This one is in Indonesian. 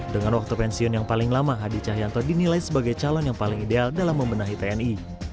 dengan waktu pensiun yang paling lama hadi cahyanto dinilai sebagai calon yang paling ideal dalam membenahi tni